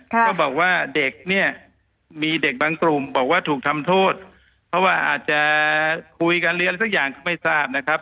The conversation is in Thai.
ก็บอกว่าเด็กเนี่ยมีเด็กบางกลุ่มบอกว่าถูกทำโทษเพราะว่าอาจจะคุยกันเรียนอะไรสักอย่างก็ไม่ทราบนะครับ